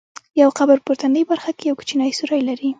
یو قبر په پورتنۍ برخه کې یو کوچنی سوری لري.